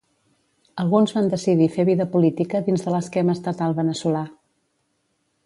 Alguns van decidir fer vida política dins de l'esquema estatal veneçolà.